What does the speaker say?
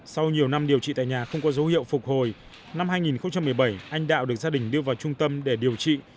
sau nhiều năm điều trị tại nhà không có dấu hiệu phục hồi năm hai nghìn một mươi bảy anh đạo được gia đình đưa vào trung tâm để điều trị